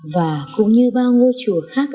và cũng như bao ngôi chùa khác